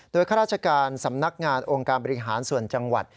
ข้าราชการสำนักงานองค์การบริหารส่วนจังหวัด